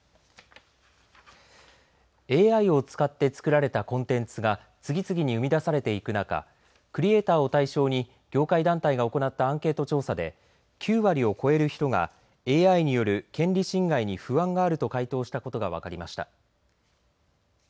ＡＩを使って作られたコンテンツが次々に生み出されていく中クリエーターを対象に業界団体が行ったアンケート調査で９割を超える人がＡＩによる権利侵害に不安があると回答したことが分かりました。